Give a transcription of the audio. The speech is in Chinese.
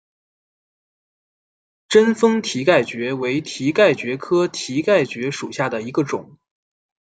贞丰蹄盖蕨为蹄盖蕨科蹄盖蕨属下的一个种。